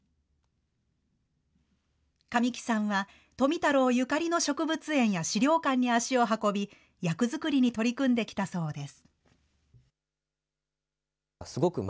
神木さんは富太郎ゆかりの植物園や、資料館に足を運び、役作りに取り組んできたそうです。